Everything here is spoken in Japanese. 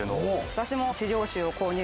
私も。